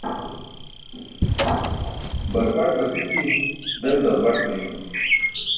Barpaṭ basići, del dalbat meymi